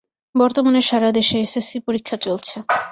বর্তমানে সারা দেশে এসএসসি পরীক্ষা চলছে।